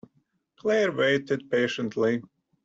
Claire waited patiently.